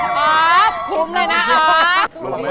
ออฟคุ้มเลยนะออฟ